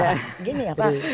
begini ya pak